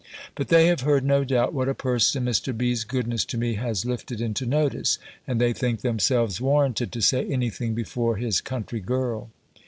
But they have heard, no doubt, what a person Mr. B.'s goodness to me has lifted into notice; and they think themselves warranted to say any thing before his country girl.